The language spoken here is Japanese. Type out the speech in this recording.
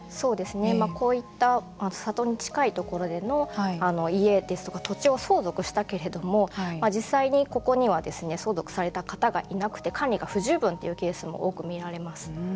こういった里に近いところでの家ですとか土地を相続したけれども実際にここには相続された方がいなくて管理が不十分というケースも多く見られます。